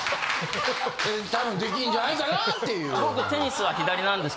多分できんじゃないかな？っていう。